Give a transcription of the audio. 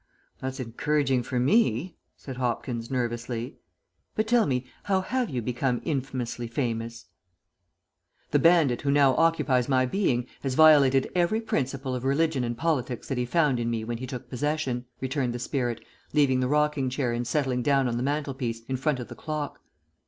"That's encouraging for me," said Hopkins, nervously. "But tell me how have you become infamously famous?" "The bandit who now occupies my being has violated every principle of religion and politics that he found in me when he took possession," returned the spirit, leaving the rocking chair and settling down on the mantelpiece, in front of the clock.